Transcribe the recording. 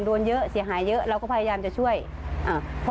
โดนเยอะเสียหายเยอะเราก็พยายามจะช่วยอ่า